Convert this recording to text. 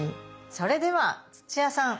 それでは土屋さん